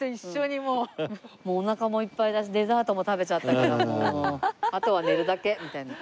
もうおなかもいっぱいだしデザートも食べちゃったからあとは寝るだけみたいな。